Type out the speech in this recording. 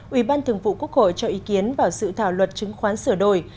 ủy ban thường vụ quốc hội cho ý kiến vào sự thảo luật chứng khoán sửa đổi